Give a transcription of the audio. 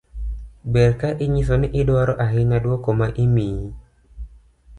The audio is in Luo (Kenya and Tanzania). ber ka inyiso ni idwaro ahinya duoko ma imiyi